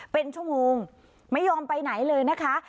เป็นชั่วโมงไม่ยอมไปไหนเลยนะคะ